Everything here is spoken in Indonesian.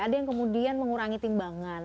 ada yang kemudian mengurangi timbangan